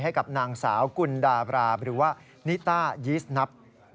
ให้กับนางสาวกุลดาบราบหรือว่านิต้ายีสนับ